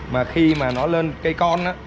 mà khi nó lên cây con